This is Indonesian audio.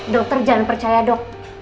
dokter jangan percaya dok